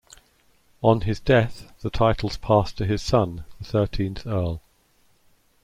On his death the titles passed to his son, the thirteenth Earl.